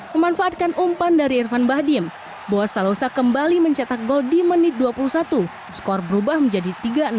memanfaatkan umpan dari irfan bahdim boa salosa kembali mencetak gol di menit dua puluh satu skor berubah menjadi tiga enam